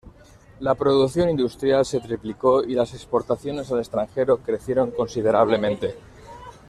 La producción industrial se triplicó y las exportaciones al extranjero crecieron considerablemente.